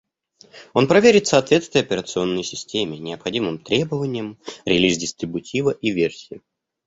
Он проверит соответствие операционной системе необходимым требованиям, релиз дистрибутива и версию